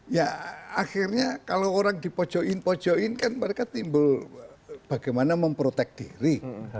ya akhirnya kalau orang dipojoin pojoin kan mereka timbul bagaimana memprotek diri